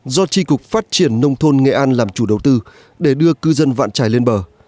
do tri cục phát triển nông thôn nghệ an làm chủ đầu tư để đưa cư dân vạn trài lên bờ